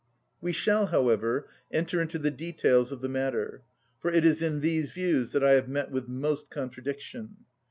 We shall, however, enter into the details of the matter, for it is in these views that I have met with most contradiction.